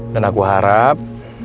dan aku harap